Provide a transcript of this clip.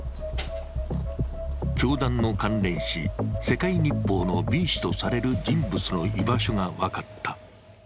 教団の関連紙「世界日報」のＢ氏とされる人物の居場所が分かった。